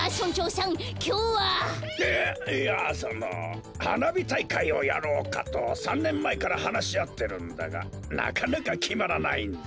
えっいやそのはなびたいかいをやろうかと３ねんまえからはなしあってるんだがなかなかきまらないんだ。